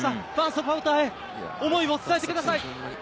サポーターへ思いを伝えてください。